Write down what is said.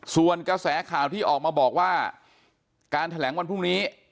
ส่วนกระแสข่าวที่ออกมาบอกว่าการแถลงวันพรุ่งนี้